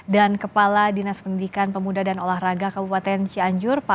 dan kepala dinas pendidikan pemuda dan olahraga kabupaten cianjur jawa barat